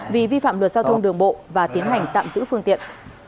vì vi phạm luật giao thông đường bộ và tiến hành tạm giữ phương tiện